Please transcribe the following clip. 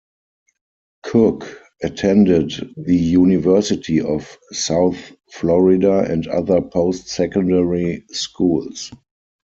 Cook attended the University of South Florida and other post-secondary schools.